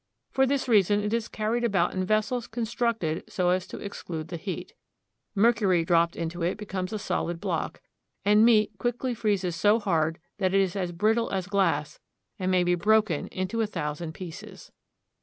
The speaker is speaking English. For this reason it is carried about in vessels constructed so as to exclude the heat. Mercury dropped into it becomes a solid block, and meat quickly freezes so hard that it is brittle as glass and may be broken into a thousand pieces.